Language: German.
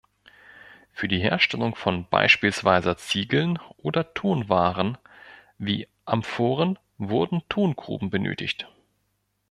Für die Herstellung von beispielsweise Ziegeln oder Tonwaren wie Amphoren wurden Tongruben benötigt.